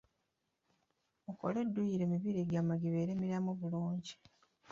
Mukole dduyiro emibiri gyammwe gibeere miramu bulungi.